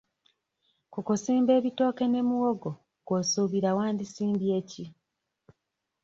Ku kusimba ebitooke ne muwogo gwe osuubira wandisimbye ki?